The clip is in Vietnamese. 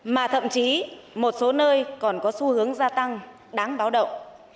mà thậm chí một số nơi còn có xu hướng gia tăng đáng báo động